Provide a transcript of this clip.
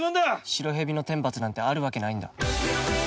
白蛇の天罰なんてあるわけないんだ。